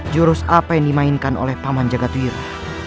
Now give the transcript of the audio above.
jurus apa yang dimainkan oleh paman jagadwira